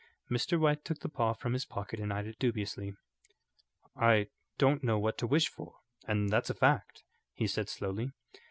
Mr. White took the paw from his pocket and eyed it dubiously. "I don't know what to wish for, and that's a fact," he said, slowly.